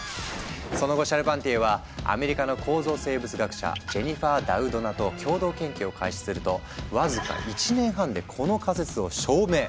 その後シャルパンティエはアメリカの構造生物学者ジェニファー・ダウドナと共同研究を開始するとわずか１年半でこの仮説を証明。